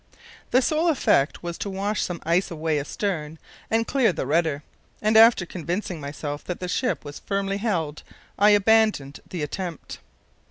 The sole effect was to wash some ice away astern and clear the rudder, and after convincing myself that the ship was firmly held I abandoned the attempt.